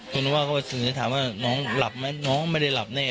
คุณว่าเขาถึงจะถามว่าน้องหลับไหมน้องไม่ได้หลับแน่